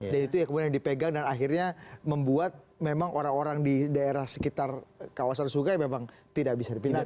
itu yang kemudian dipegang dan akhirnya membuat memang orang orang di daerah sekitar kawasan sungai memang tidak bisa dipindahkan